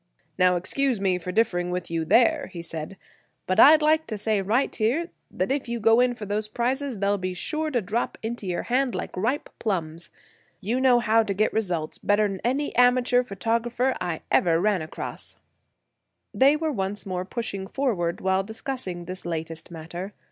"Now, excuse me for differing with you there," he said, "but I'd like to say right here that if you go in for those prizes they're sure to drop into your hand like ripe plums. You know how to get results better'n any amateur photographer I ever ran across." They were once more pushing forward while discussing this latest matter.